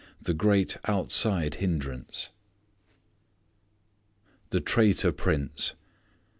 The Great Outside Hindrance The Traitor Prince.